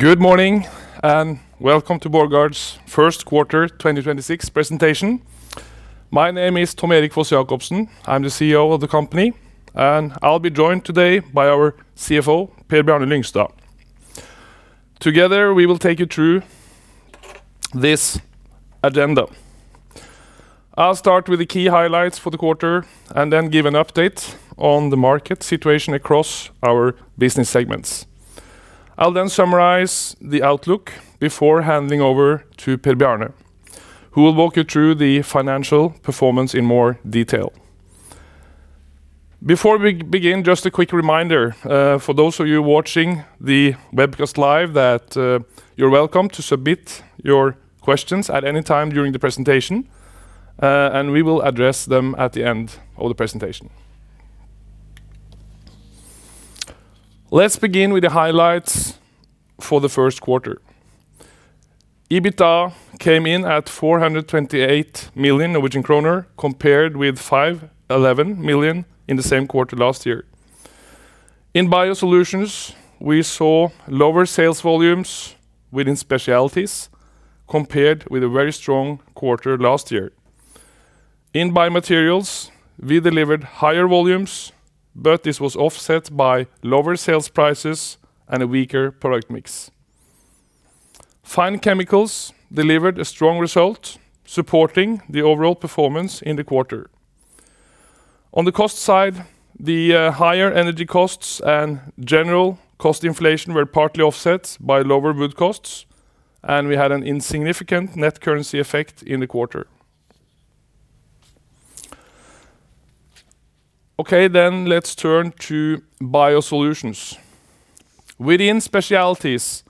Good morning. Welcome to Borregaard's 1st Quarter 2026 Presentation. My name is Tom Erik Foss-Jacobsen. I'm the CEO of the company, and I'll be joined today by our CFO, Per Bjarne Lyngstad. Together, we will take you through this agenda. I'll start with the key highlights for the quarter and then give an update on the market situation across our business segments. I'll then summarize the outlook before handing over to Per Bjarne, who will walk you through the financial performance in more detail. Before we begin, just a quick reminder, for those of you watching the webcast live that, you're welcome to submit your questions at any time during the presentation, and we will address them at the end of the presentation. Let's begin with the highlights for the first quarter. EBITDA came in at 428 million Norwegian kroner, compared with 511 million in the same quarter last year. In BioSolutions, we saw lower sales volumes within specialities compared with a very strong quarter last year. In BioMaterials, we delivered higher volumes, this was offset by lower sales prices and a weaker product mix. Fine Chemicals delivered a strong result, supporting the overall performance in the quarter. On the cost side, the higher energy costs and general cost inflation were partly offset by lower wood costs, and we had an insignificant net currency effect in the quarter. Let's turn to BioSolutions. Within specialities,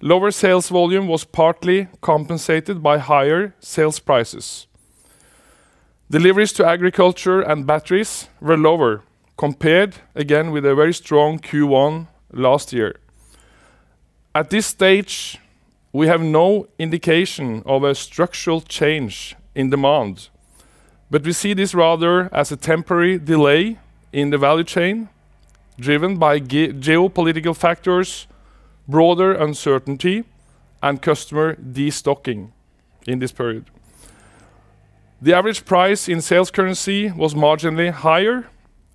lower sales volume was partly compensated by higher sales prices. Deliveries to Agriculture and batteries were lower, compared again with a very strong Q1 last year. At this stage, we have no indication of a structural change in demand, but we see this rather as a temporary delay in the value chain driven by geopolitical factors, broader uncertainty, and customer destocking in this period. The average price in sales currency was marginally higher,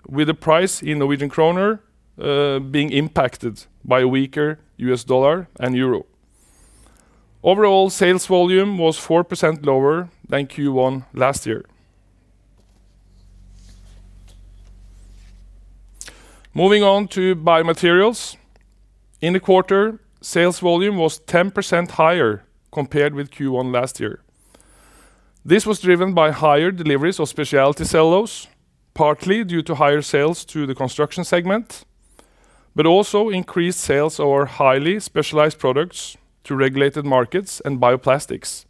with the price in Norwegian kroner being impacted by a weaker U.S. dollar and euro. Overall sales volume was 4% lower than Q1 last year. Moving on to BioMaterials. In the quarter, sales volume was 10% higher compared with Q1 last year. This was driven by higher deliveries of Specialty Cellulose, partly due to higher sales to the Construction segment, but also increased sales of our highly specialized products to regulated markets and bioplastics.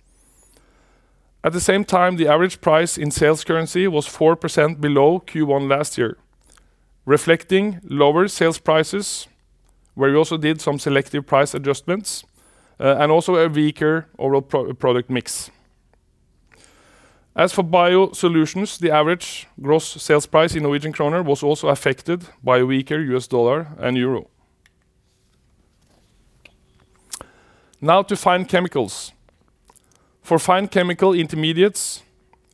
The average price in sales currency was 4% below Q1 last year, reflecting lower sales prices, where we also did some selective price adjustments, and also a weaker overall product mix. For BioSolutions, the average gross sales price in Norwegian kroner was also affected by a weaker U.S. dollar and euro. Now to Fine Chemicals. For fine chemical intermediates,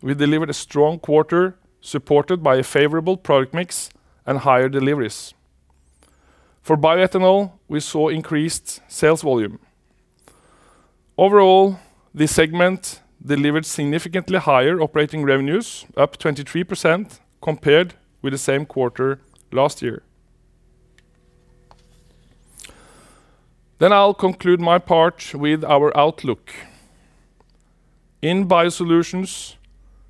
we delivered a strong quarter supported by a favorable product mix and higher deliveries. For bioethanol, we saw increased sales volume. This segment delivered significantly higher operating revenues, up 23% compared with the same quarter last year. I'll conclude my part with our outlook. In BioSolutions,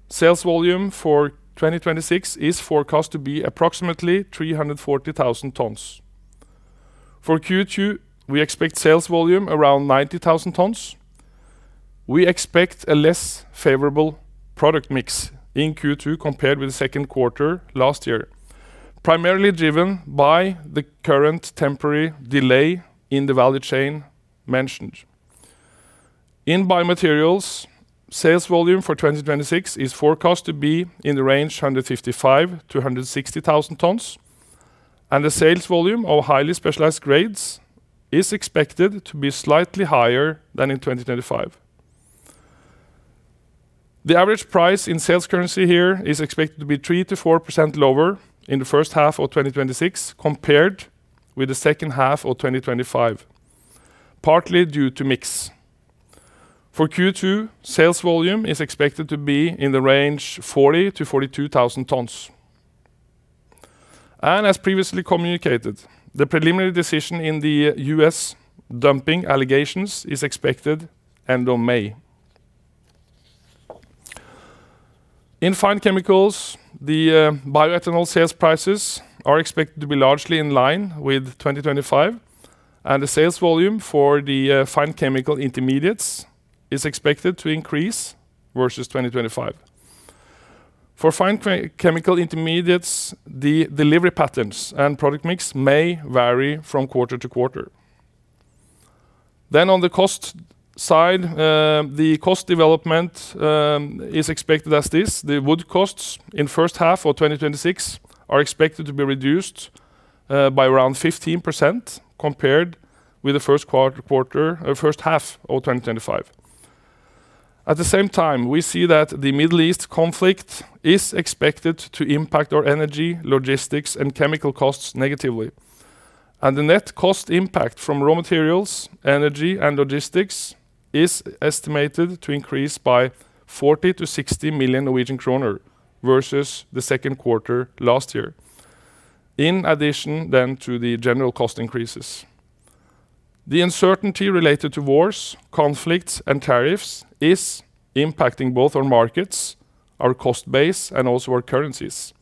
sales volume for 2026 is forecast to be approximately 340,000 tons. For Q2, we expect sales volume around 90,000 tons. We expect a less favorable product mix in Q2 compared with the second quarter last year, primarily driven by the current temporary delay in the value chain mentioned. In Biomaterials, sales volume for 2026 is forecast to be in the range 155,000 tons-160,000 tons, and the sales volume of highly specialized grades is expected to be slightly higher than in 2025. The average price in sales currency here is expected to be 3%-4% lower in the first half of 2026 compared with the second half of 2025, partly due to mix. For Q2, sales volume is expected to be in the range 40,000 tons-42,000 tons. As previously communicated, the preliminary decision in the U.S. dumping allegations is expected end of May. In Fine Chemicals, the bioethanol sales prices are expected to be largely in line with 2025, and the sales volume for the fine chemical intermediates is expected to increase versus 2025. For fine chemical intermediates, the delivery patterns and product mix may vary from quarter-to-quarter. On the cost side, the cost development is expected as this. The wood costs in first half of 2026 are expected to be reduced by around 15% compared with the first half of 2025. At the same time, we see that the Middle East conflict is expected to impact our energy, logistics, and chemical costs negatively. The net cost impact from raw materials, energy, and logistics is estimated to increase by 40 million- 60 million Norwegian kroner versus the second quarter last year, in addition then to the general cost increases. The uncertainty related to wars, conflicts, and tariffs is impacting both our markets, our cost base, and also our currencies.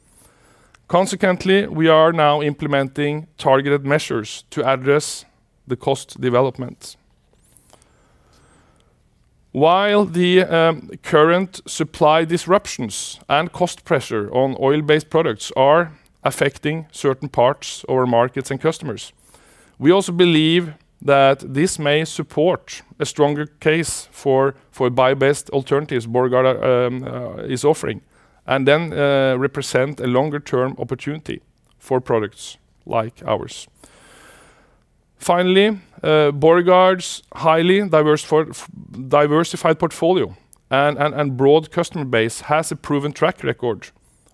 Consequently, we are now implementing targeted measures to address the cost development. While the current supply disruptions and cost pressure on oil-based products are affecting certain parts of our markets and customers, we also believe that this may support a stronger case for bio-based alternatives Borregaard is offering, and then represent a longer-term opportunity for products like ours. Finally, Borregaard's highly diversified portfolio and broad customer base has a proven track record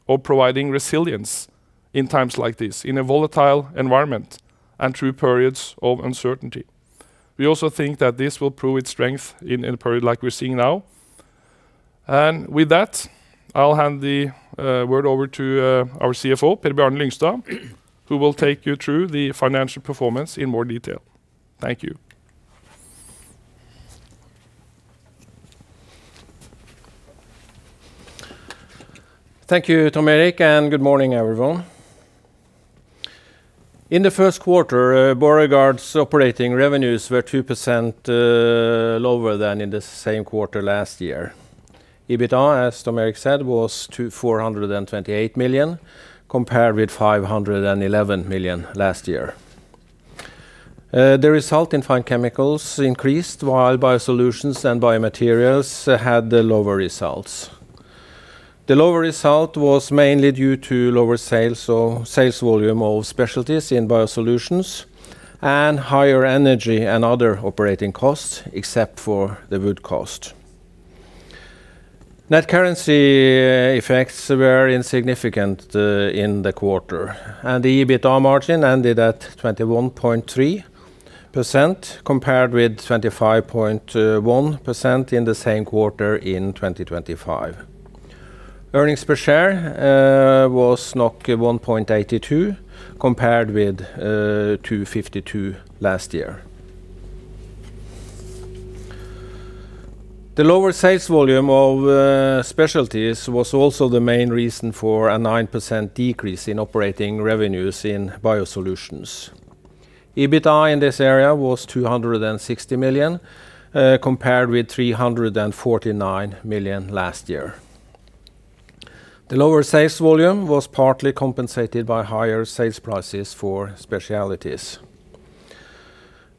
of providing resilience in times like this, in a volatile environment and through periods of uncertainty. We also think that this will prove its strength in a period like we're seeing now. With that, I'll hand the word over to our CFO, Per Bjarne Lyngstad, who will take you through the financial performance in more detail. Thank you. Thank you, Tom Erik, and good morning, everyone. In the first quarter, Borregaard's operating revenues were 2% lower than in the same quarter last year. EBITDA, as Tom Erik said, was to 428 million, compared with 511 million last year. The result in Fine Chemicals increased, while BioSolutions and BioMaterials had the lower results. The lower result was mainly due to lower sales or sales volume of Specialties in BioSolutions and higher energy and other operating costs, except for the wood cost. Net currency effects were insignificant in the quarter, and the EBITDA margin ended at 21.3%, compared with 25.1% in the same quarter in 2025. Earnings per share was 1.82, compared with 2.52 last year. The lower sales volume of Specialties was also the main reason for a 9% decrease in operating revenues in BioSolutions. EBITDA in this area was 260 million compared with 349 million last year. The lower sales volume was partly compensated by higher sales prices for Specialties.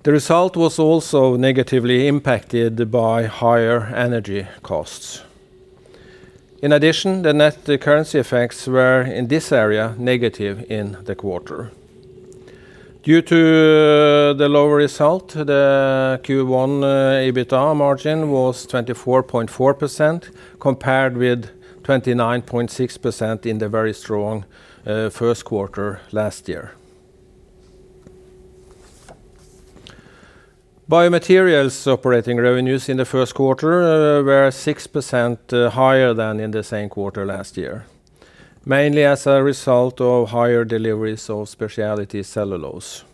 The result was also negatively impacted by higher energy costs. In addition, the net currency effects were, in this area, negative in the quarter. Due to the lower result, the Q1 EBITDA margin was 24.4%, compared with 29.6% in the very strong first quarter last year. BioMaterials operating revenues in the first quarter were 6% higher than in the same quarter last year, mainly as a result of higher deliveries of Specialty Cellulose.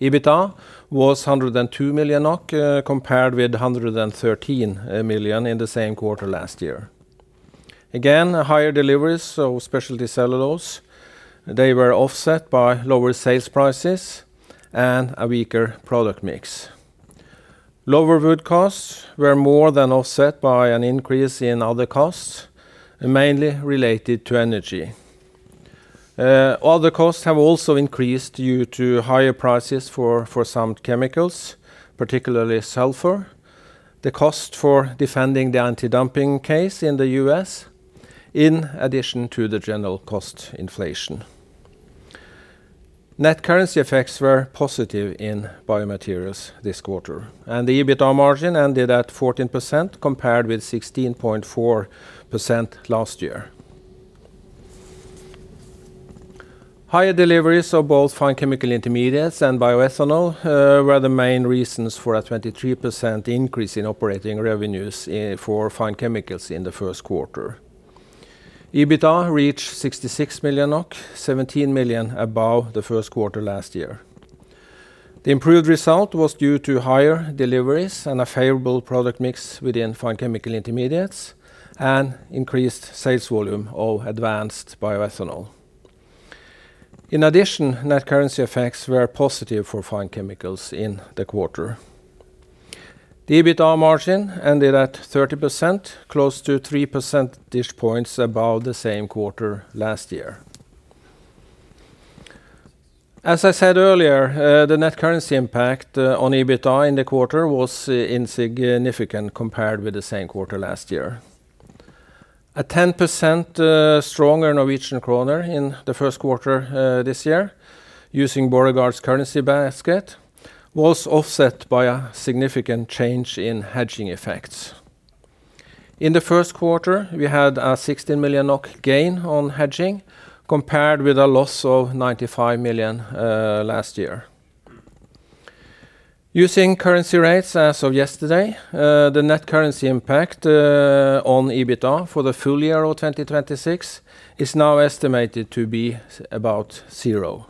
EBITDA was 102 million NOK, compared with 113 million in the same quarter last year. Higher deliveries of Specialty Cellulose, they were offset by lower sales prices and a weaker product mix. Lower wood costs were more than offset by an increase in other costs, mainly related to energy. Other costs have also increased due to higher prices for some chemicals, particularly sulfur, the cost for defending the antidumping case in the U.S., in addition to the general cost inflation. Net currency effects were positive in BioMaterials this quarter, the EBITDA margin ended at 14%, compared with 16.4% last year. Higher deliveries of both fine chemical intermediates and bioethanol were the main reasons for a 23% increase in operating revenues for Fine Chemicals in the first quarter. EBITDA reached 66 million, 17 million above the first quarter last year. The improved result was due to higher deliveries and a favorable product mix within fine chemical intermediates and increased sales volume of Advanced bioethanol. In addition, net currency effects were positive for Fine Chemicals in the quarter. The EBITDA margin ended at 30%, close to 3 percentage points above the same quarter last year. I said earlier, the net currency impact on EBITDA in the quarter was insignificant compared with the same quarter last year. A 10% stronger Norwegian kroner in the first quarter this year using Borregaard's currency basket was offset by a significant change in hedging effects. In the first quarter, we had a 16 million NOK gain on hedging compared with a loss of 95 million last year. Using currency rates as of yesterday, the net currency impact on EBITDA for the full year of 2026 is now estimated to be about zero.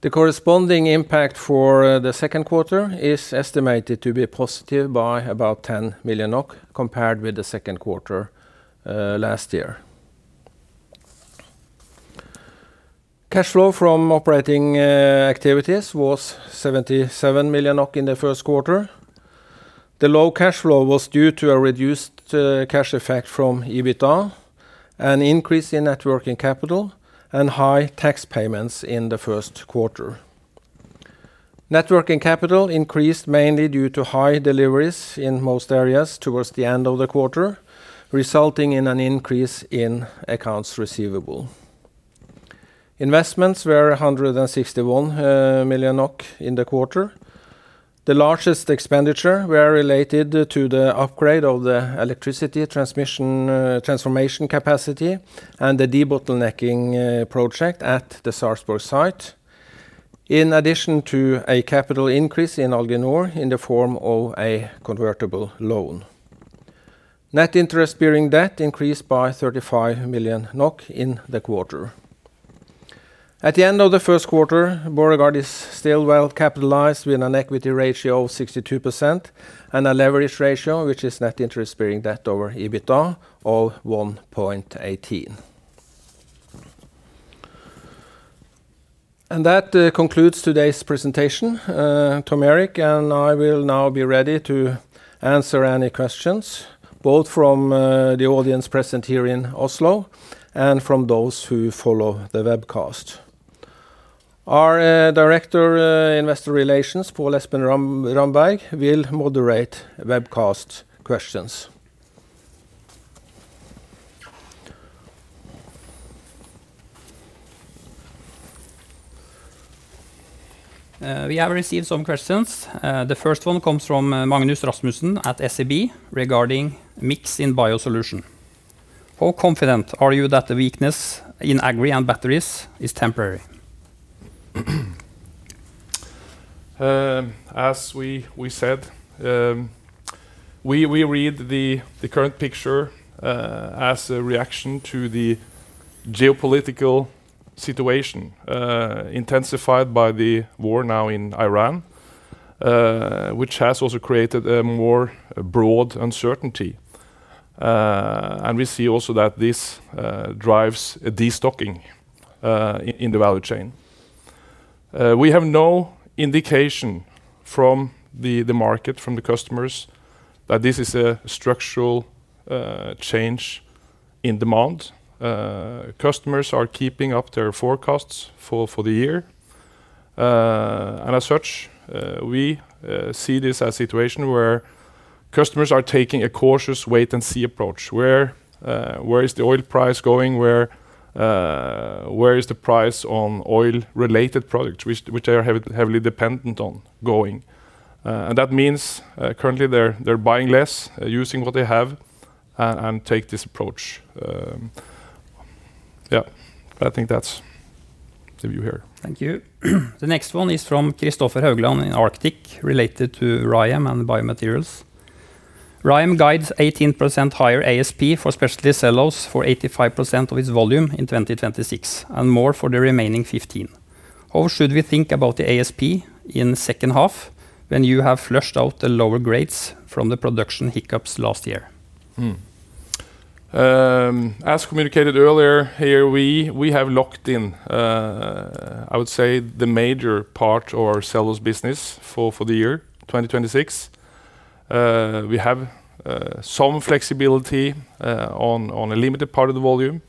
The corresponding impact for the second quarter is estimated to be positive by about 10 million NOK compared with the second quarter last year. Cash flow from operating activities was 77 million NOK in the first quarter. The low cash flow was due to a reduced cash effect from EBITDA, an increase in net working capital, and high tax payments in the first quarter. Net working capital increased mainly due to high deliveries in most areas towards the end of the quarter, resulting in an increase in accounts receivable. Investments were 161 million NOK in the quarter. The largest expenditure were related to the upgrade of the electricity transmission, transformation capacity and the debottlenecking project at the Sarpsborg site, in addition to a capital increase in Alginor in the form of a convertible loan. Net interest-bearing debt increased by 35 million NOK in the quarter. At the end of the first quarter, Borregaard is still well capitalized with an equity ratio of 62% and a leverage ratio, which is net interest-bearing debt over EBITDA, of 1.18. That concludes today's presentation. Tom Erik and I will now be ready to answer any questions, both from the audience present here in Oslo and from those who follow the webcast. Our Director Investor Relations, Pål Espen Ramberg, will moderate webcast questions. We have received some questions. The first one comes from Magnus Rasmusson at SEB regarding mix in BioSolutions. How confident are you that the weakness in Agri and batteries is temporary? As we said, we read the current picture as a reaction to the geopolitical situation, intensified by the war now in Iran, which has also created a more broad uncertainty. We see also that this drives a destocking in the value chain. We have no indication from the market, from the customers that this is a structural change in demand. Customers are keeping up their forecasts for the year. As such, we see this as situation where customers are taking a cautious wait and see approach. Where is the oil price going? Where is the price on oil-related products, which they are heavily dependent on going? That means currently they're buying less, using what they have and take this approach. I think that's the view here. Thank you. The next one is from Kristoffer Haugland in Arctic related to RYAM and BioMaterials. RYAM guides 18% higher ASP for Specialty Cellulose for 85% of its volume in 2026, and more for the remaining 15%. How should we think about the ASP in second half when you have flushed out the lower grades from the production hiccups last year? As communicated earlier here, we have locked in, I would say, the major part of our cellulose business for the year 2026. We have some flexibility on a limited part of the volume.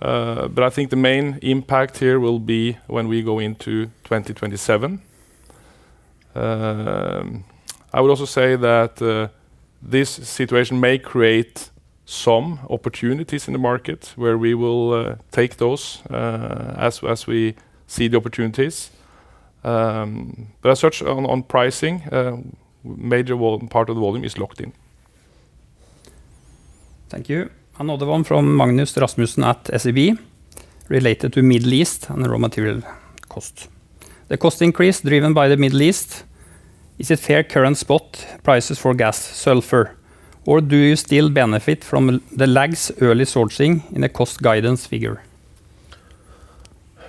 I think the main impact here will be when we go into 2027. I would also say that this situation may create some opportunities in the market where we will take those as we see the opportunities. As such on pricing, part of the volume is locked in. Thank you. Another one from Magnus Rasmusson at SEB related to Middle East and the raw material cost. The cost increase driven by the Middle East, is it fair current spot prices for gas sulfur, or do you still benefit from the lags early sourcing in the cost guidance figure?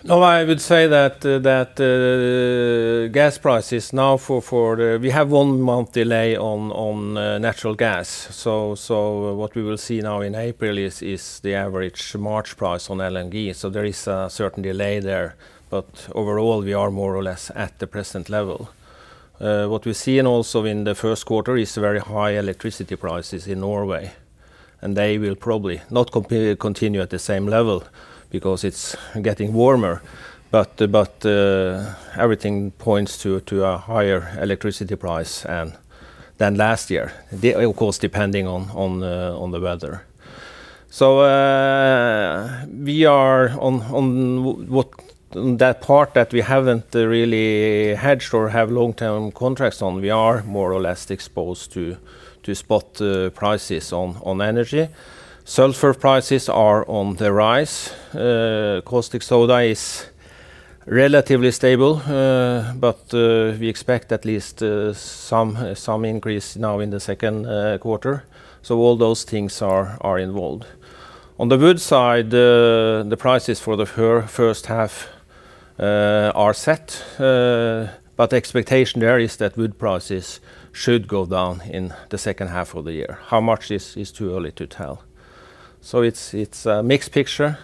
We have one month delay on natural gas. What we will see now in April is the average March price on LNG. There is a certain delay there. Overall, we are more or less at the present level. What we're seeing also in the first quarter is very high electricity prices in Norway, and they will probably not continue at the same level because it's getting warmer. Everything points to a higher electricity price and than last year- of course, depending on the weather. We are on that part that we haven't really hedged or have long-term contracts on, we are more or less exposed to spot prices on energy. Sulfur prices are on the rise. caustic soda is relatively stable, but we expect at least some increase now in the second quarter. All those things are involved. On the wood side, the prices for the first half are set, but the expectation there is that wood prices should go down in the second half of the year. How much is too early to tell. It's a mixed picture,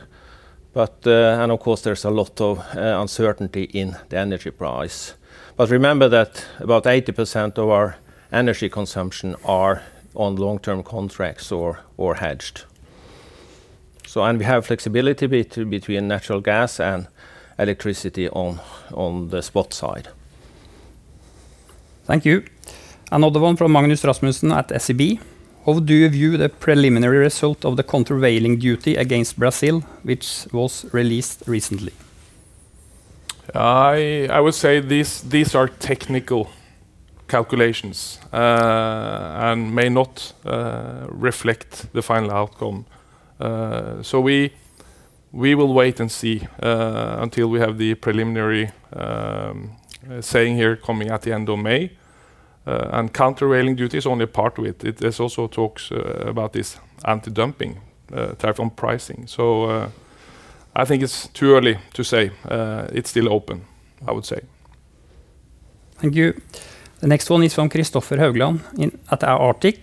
but of course, there's a lot of uncertainty in the energy price. Remember that about 80% of our energy consumption are on long-term contracts or hedged. We have flexibility between natural gas and electricity on the spot side. Thank you. Another one from Magnus Rasmusson at SEB. How do you view the preliminary result of the countervailing duty against Brazil, which was released recently? I would say these are technical calculations and may not reflect the final outcome. We will wait and see until we have the preliminary saying here coming at the end of May. Countervailing duty is only a part of it. There's also talks about this antidumping type of pricing. I think it's too early to say. It's still open, I would say. Thank you. The next one is from Kristoffer Haugland at Arctic.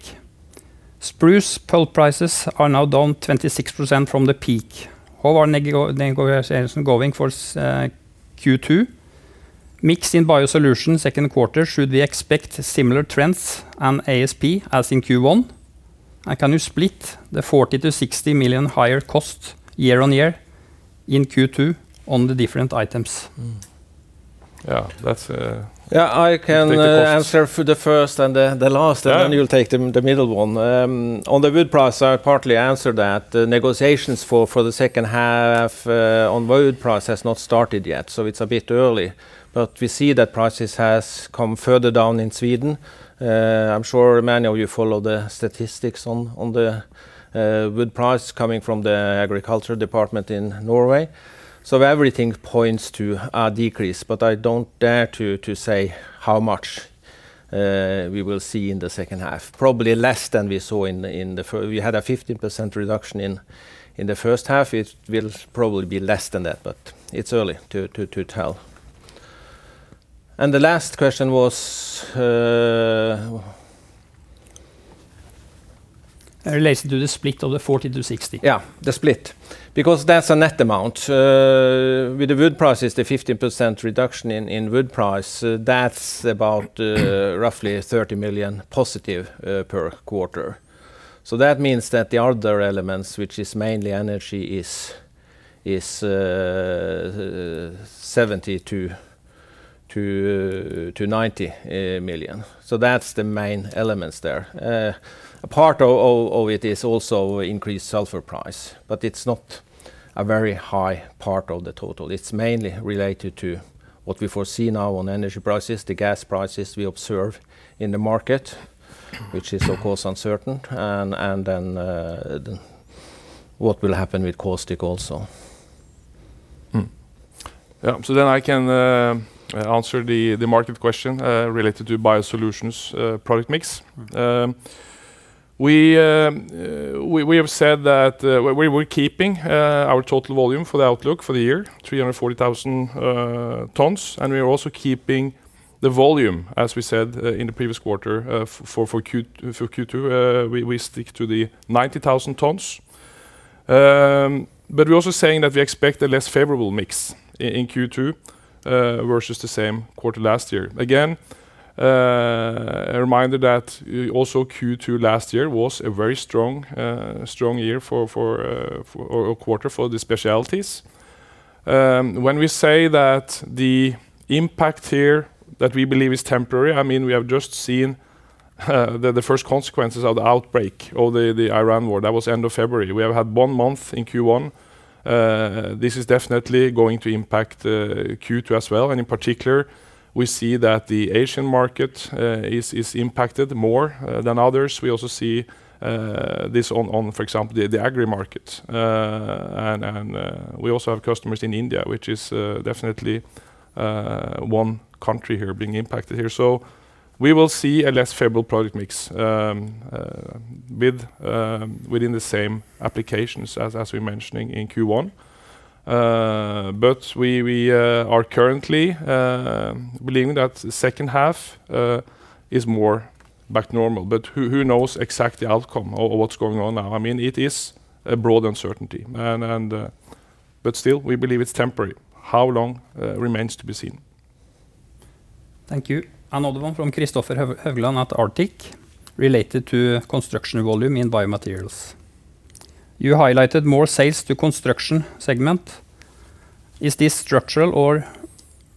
Spruce pulp prices are now down 26% from the peak. How are negotiations going for Q2? Mix in BioSolutions second quarter, should we expect similar trends and ASP as in Q1? Can you split the 40 million-60 million higher cost year-on-year in Q2 on the different items? Yeah. That's- Yeah... You take the cost.... answer for the first and the last.... Yeah. You'll take the middle one. On the wood price, I partly answered that. The negotiations for the second half on wood price has not started yet, so it's a bit early. We see that prices has come further down in Sweden. I'm sure many of you follow the statistics on the wood price coming from the Agriculture department in Norway. Everything points to a decrease, but I don't dare to say how much we will see in the second half. Probably less than we saw in the, we had a 15% reduction in the first half. It will probably be less than that, but it's early to tell. The last question was. Relates to the split of the 40%-60%. The split, because that's a net amount. With the wood prices, the 15% reduction in wood price, that's about roughly 30 million positive per quarter. That means that the other elements, which is mainly energy, is 70 million-90 million. That's the main elements there. A part of it is also increased sulfur price, it's not a very high part of the total. It's mainly related to what we foresee now on energy prices, the gas prices we observe in the market, which is of course uncertain, then what will happen with caustic also. Hmm. Yeah. I can answer the market question related to BioSolutions' product mix. We have said that we're keeping our total volume for the outlook for the year, 340,000 tons, and we are also keeping the volume, as we said in the previous quarter, for Q2, we stick to the 90,000 tons. But we're also saying that we expect a less favorable mix in Q2 versus the same quarter last year. A reminder that also Q2 last year was a very strong year or quarter for the specialities. When we say that the impact here that we believe is temporary, I mean, we have just seen the first consequences of the outbreak or the Iran war. That was end of February. We have had one month in Q1. This is definitely going to impact Q2 as well, and in particular, we see that the Asian market is impacted more than others. We also see this on, for example, the Agri market. We also have customers in India, which is definitely one country here being impacted here. We will see a less favorable product mix with within the same applications as we're mentioning in Q1. We are currently believing that the second half is more back normal. Who knows exactly outcome or what's going on now? I mean, it is a broad uncertainty and still, we believe it's temporary. How long remains to be seen. Thank you. Another one from Kristoffer Haugland at Arctic related to construction volume in BioMaterials. You highlighted more sales to Construction segment. Is this structural or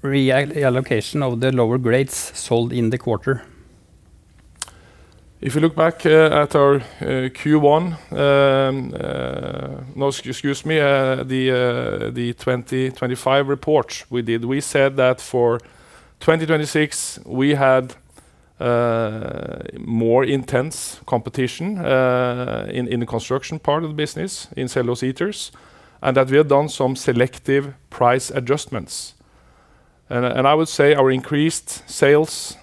reallocation of the lower grades sold in the quarter? If you look back at our Q1, the 2025 report we did, we said that for 2026 we had more intense competition in the Construction part of the business- in cellulose ethers, and that we had done some selective price adjustments. I would say our increased sales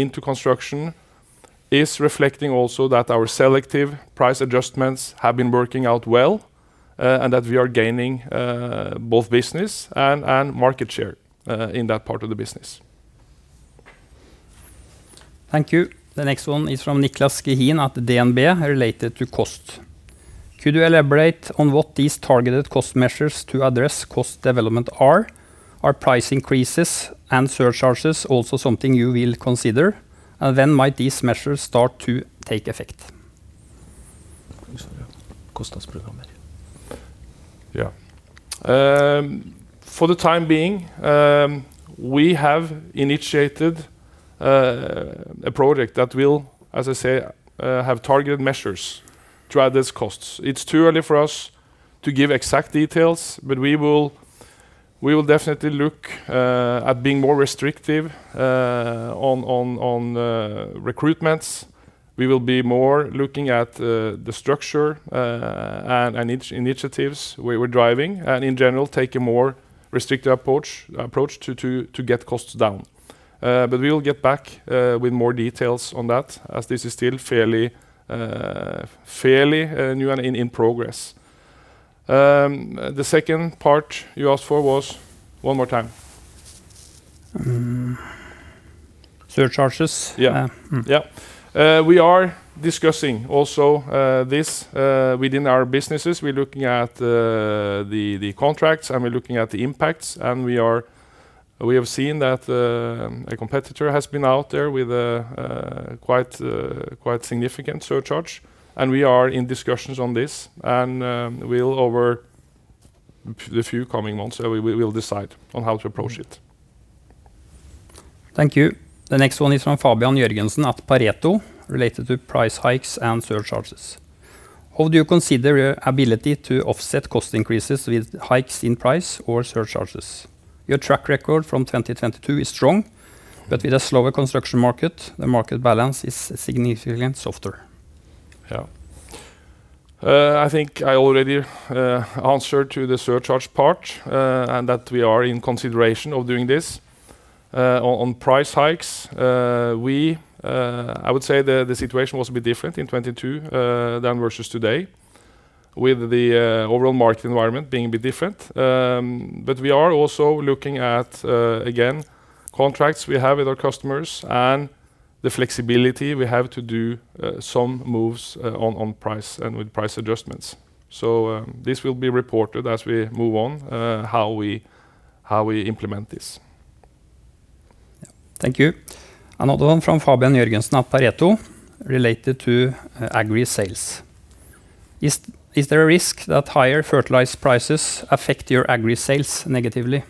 into Construction is reflecting also that our selective price adjustments have been working out well, and that we are gaining both business and market share in that part of the business. Thank you. The next one is from Niclas Gehin at DNB, related to cost. Could you elaborate on what these targeted cost measures to address cost development are? Are price increases and surcharges also something you will consider? When might these measures start to take effect? For the time being, we have initiated a project that will have targeted measures to address costs. It's too early for us to give exact details, we will definitely look at being more restrictive on recruitments. We will be more looking at the structure and initiatives we're driving and, in general, take a more restrictive approach to get costs down. We will get back with more details on that as this is still fairly new and in progress. The second part you asked for was? One more time. Surcharges. Yeah. We are discussing also this within our businesses. We're looking at the contracts, and we're looking at the impacts, and we have seen that a competitor has been out there with a quite significant surcharge. We are in discussions on this, and we'll over the few coming months, we will decide on how to approach it. Thank you. The next one is from Fabian Jørgensen at Pareto, related to price hikes and surcharges. How do you consider your ability to offset cost increases with hikes in price or surcharges? Your track record from 2022 is strong, but with a slower Construction market, the market balance is significantly softer. Yeah. I think I already answered to the surcharge part, and that we are in consideration of doing this. On price hikes, we, I would say the situation was a bit different in 2022 than versus today, with the overall market environment being a bit different. We are also looking at, again, contracts we have with our customers and the flexibility we have to do some moves on price and with price adjustments. This will be reported as we move on, how we implement this. Yeah. Thank you. Another one from Fabian Jørgensen at Pareto related to Agri sales. Is there a risk that higher fertilizer prices affect your Agri sales negatively?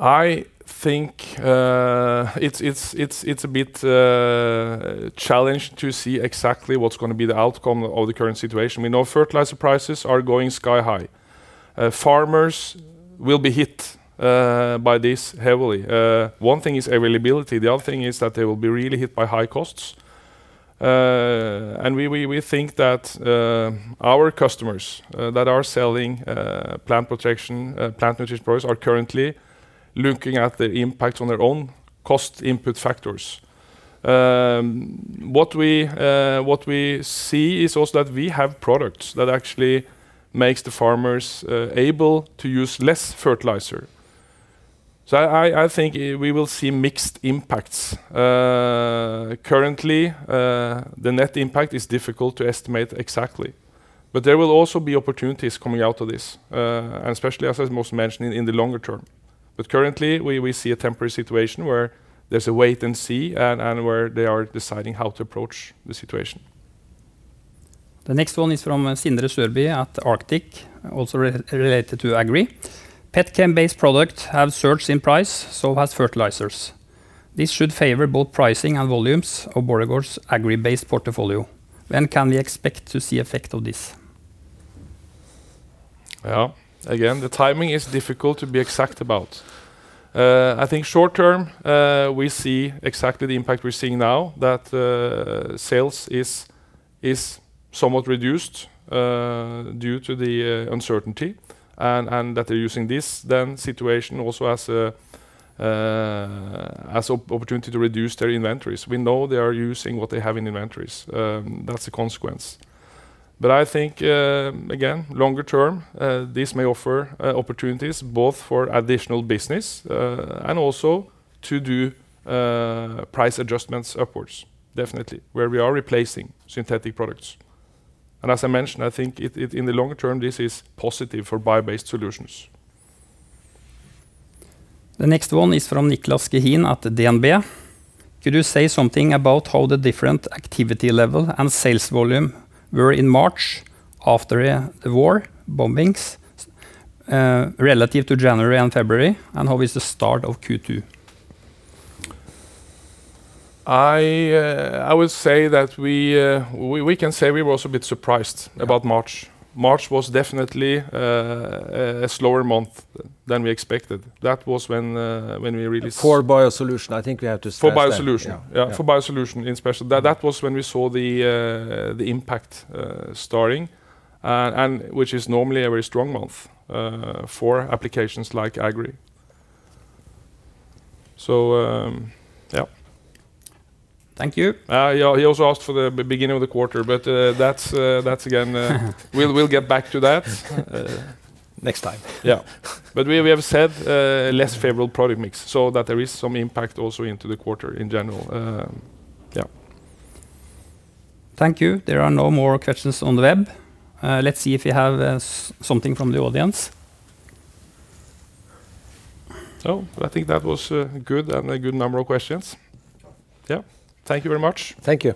I think it's a bit challenged to see exactly what's gonna be the outcome of the current situation. We know fertilizer prices are going sky high. Farmers will be hit by this heavily. One thing is availability. The other thing is that they will be really hit by high costs. We think that our customers that are selling plant protection, plant nutrition products are currently looking at the impact on their own cost input factors. What we see is also that we have products that actually makes the farmers able to use less fertilizer. I think we will see mixed impacts. Currently, the net impact is difficult to estimate exactly, but there will also be opportunities coming out of this. Especially as I most mentioned, in the longer term. Currently, we see a temporary situation where there's a wait and see and where they are deciding how to approach the situation. The next one is from Sindre Sørbye at Arctic, also related to Agri. Petrochem-based product have surged in price, so has fertilizers. This should favor both pricing and volumes of Borregaard's Agri-based portfolio. When can we expect to see effect of this? Well, again, the timing is difficult to be exact about. I think short term, we see exactly the impact we're seeing now- that sales is somewhat reduced, due to the uncertainty and that they're using this then situation also as a opportunity to reduce their inventories. We know they are using what they have in inventories. That's a consequence. I think, again, longer term, this may offer opportunities both for additional business, and also to do price adjustments upwards, definitely, where we are replacing synthetic products. As I mentioned, I think in the longer term, this is positive for bio-based solutions. The next one is from Niclas Gehin at DNB. Could you say something about how the different activity level and sales volume were in March after the war bombings, relative to January and February, how is the start of Q2? I would say that we can say we were also a bit surprised about March. March was definitely a slower month than we expected. That was when we really... For BioSolutions, I think we have to stress that. For BioSolutions- Yeah. Yeah, for BioSolutions in special. That was when we saw the impact starting and which is normally a very strong month for applications like Agri. Yeah. Thank you. Yeah, he also asked for the beginning of the quarter, but that's again, We'll get back to that. Next time. Yeah. We have said, less favorable product mix, so that there is some impact also into the quarter in general. Yeah. Thank you. There are no more questions on the web. let's see if we have, something from the audience. No. I think that was good and a good number of questions. Yeah. Thank you very much. Thank you.